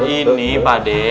ini pak ade